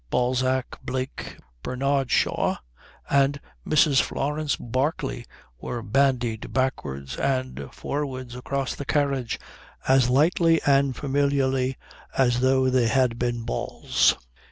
Balzac, Blake, Bernard Shaw, and Mrs. Florence Barclay were bandied backwards and forwards across the carriage as lightly and familiarly as though they had been balls.